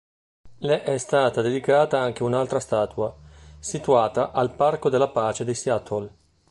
Le è stata dedicata anche un'altra statua, situata al Parco della Pace di Seattle.